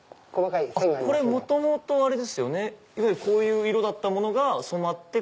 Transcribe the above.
これ元々あれですよねこういう色だったものが染まって。